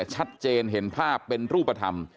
ชัดเจนเห็นภาพเป็นรูปธรรม